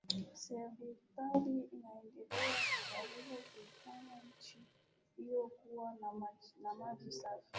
Serikali inaendelea kujaribu kuifanya nchi hiyo kuwa na maji safi